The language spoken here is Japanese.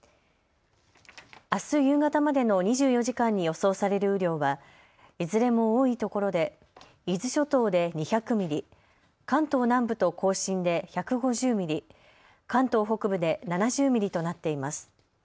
あす夕方までの２４時間に予想される雨量はいずれも多いところで伊豆諸島で２００ミリ、関東南部と甲信で１５０ミリ、関東北部で７０ミリとなっています。